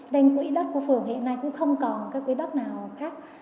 nên quỹ đất của phường hiện nay cũng không còn các quỹ đất nào khác